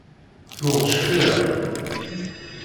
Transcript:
Tuɣ cfiɣ.